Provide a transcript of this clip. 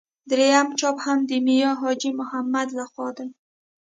درېیم چاپ هم د میا حاجي محمد له خوا دی.